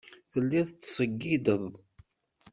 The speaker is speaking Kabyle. Telliḍ tettṣeyyideḍ.